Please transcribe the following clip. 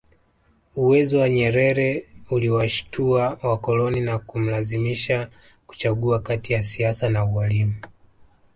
Uwezo wa Nyerere uliwashitua wakoloni na kumlazimisha kuchagua kati ya siasa na ualimu